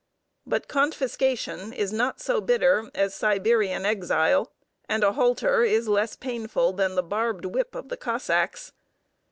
But confiscation is not so bitter as Siberian exile, and a halter is less painful than the barbed whip of the Cossacks.